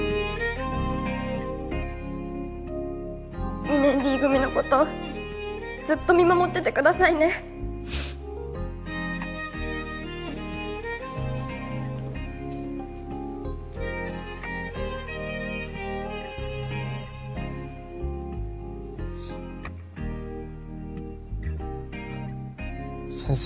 ３２１２年 Ｄ 組のことずっと見守っててくださいね先生